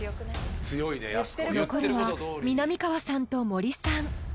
［残るはみなみかわさんと森さん］